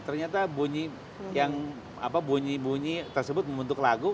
ternyata bunyi bunyi tersebut membentuk lagu